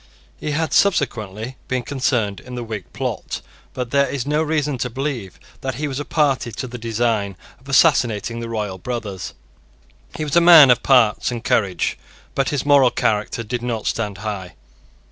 He had subsequently been concerned in the Whig plot; but there is no reason to believe that he was a party to the design of assassinating the royal brothers. He was a man of parts and courage; but his moral character did not stand high.